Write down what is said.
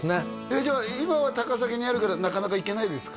じゃあ今は高崎にあるからなかなか行けないですか？